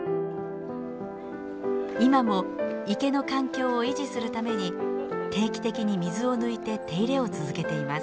今も池の環境を維持するために定期的に水を抜いて手入れを続けています。